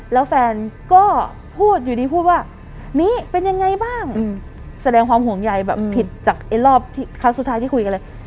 แล้วแฟนก็พูดอยู่ดีพูดว่านี้เป็นยังไงบ้างแสดงความห่วงใยแบบผิดจากไอ้รอบครั้งสุดท้ายที่คุยกันเลย